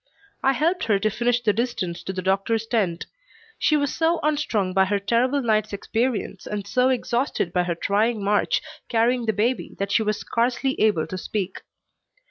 I helped her to finish the distance to the doctor's tent; she was so unstrung by her terrible night's experience and so exhausted by her trying march carrying the baby that she was scarcely able to speak.